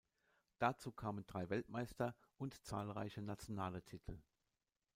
Dazu kamen drei Weltmeister- und zahlreiche nationale Titel.